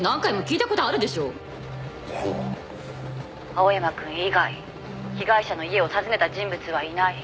「青山くん以外被害者の家を訪ねた人物はいない」